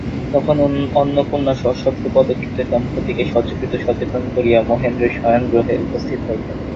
তখন অন্নপূর্ণা সশব্দপদক্ষেপে দম্পতিকে সচকিত সচেতন করিয়া মহেন্দ্রের শয়নগৃহে উপস্থিত হইলেন।